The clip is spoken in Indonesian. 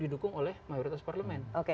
didukung oleh mayoritas parlemen